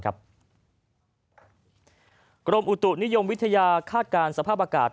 กรมอุตุนิยมวิทยาคาดการณ์สภาพอากาศ